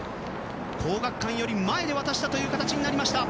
皇學館より前で渡した形になりました。